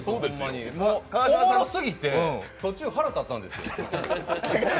おもろすぎて、途中腹立ったんですよ。